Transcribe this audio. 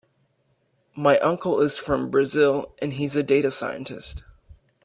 My uncle is from Brazil and he is a data scientist.